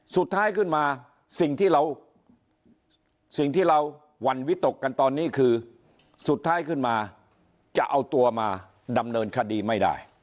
สุดท้ายขึ้นมาสิ่งที่เราสิ่งที่เราหวั่นวิตกกันตอนนี้คือสุดท้ายขึ้นมาจะเอาตัวมาดำเนินคดีไม่ได้